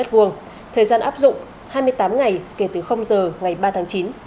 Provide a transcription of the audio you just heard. thời gian áp dụng hai mươi tám ngày kể từ giờ ngày ba tháng chín